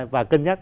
và cân nhắc